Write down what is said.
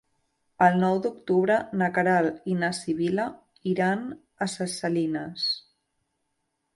El nou d'octubre na Queralt i na Sibil·la iran a Ses Salines.